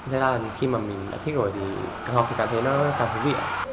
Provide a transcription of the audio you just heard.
thật ra là khi mà mình đã thích rồi thì học thì cảm thấy nó càng thú vị ạ